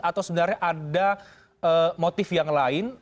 atau sebenarnya ada motif yang lain